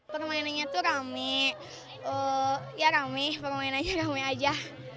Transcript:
permainannya tuh rame ya rame permainannya rame aja